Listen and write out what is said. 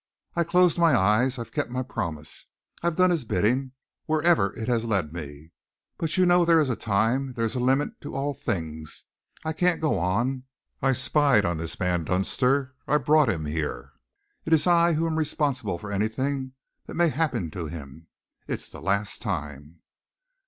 I've closed my eyes. I've kept my promise. I've done his bidding, where ever it has led me. But you know there is a time there is a limit to all things. I can't go on. I spied on this man Dunster. I brought him here. It is I who am responsible for anything that may happen to him. It's the last time!"